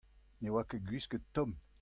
Ne oa ket gwisket tomm.